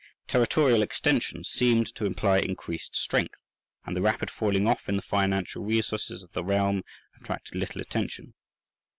Territorial extension seemed to imply increased strength, and the rapid falling off in the financial resources of the realm attracted little attention.